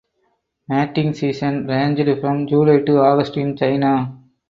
Mating season ranged from July to August in China.